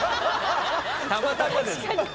たまたまです。